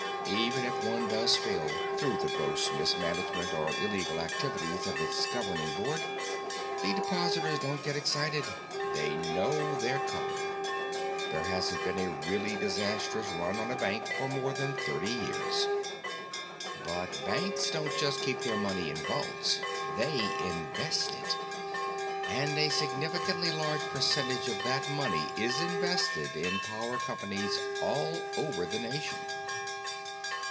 Even if one does fail, through the gross mismanagement or illegal activities of its governing board, the depositors don't get excited; they know they're covered. There hasn't been a really disastrous run on a bank for more than thirty years. "But banks don't just keep their money in vaults; they invest it. And a significantly large percentage of that money is invested in power companies all over the nation.